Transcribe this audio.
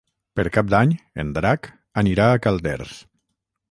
Per Cap d'Any en Drac anirà a Calders.